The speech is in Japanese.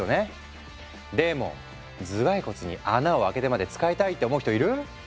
でも頭蓋骨に穴を開けてまで使いたいって思う人いる？